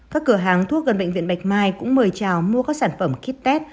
các cửa hàng thuốc gần bệnh viện bạch mai cũng mời trào mua các sản phẩm kit test